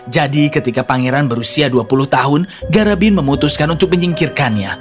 ketika pangeran berusia dua puluh tahun garabin memutuskan untuk menyingkirkannya